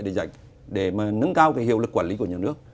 để nâng cao hiệu lực quản lý của nhà nước